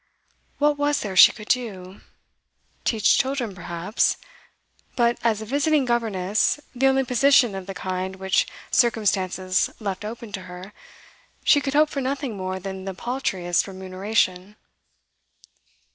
What was there she could do? Teach children, perhaps; but as a visiting governess, the only position of the kind which circumstances left open to her, she could hope for nothing more than the paltriest remuneration.